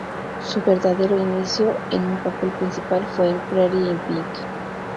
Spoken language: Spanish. Su verdadero inicio en un papel principal fue en "Pretty in Pink".